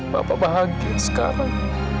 bapak bahagia sekarang